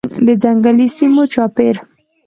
د ځنګلي سیمو چاپیر